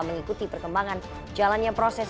mengikuti perkembangan jalannya proses